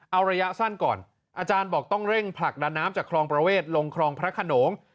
เอาระยะสั้นก่อนอาจารย์บอกต้องเร่งผลักดันน้ำจากคลองประเวทลงคลองพระขนง